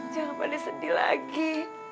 jangan balik sedih lagi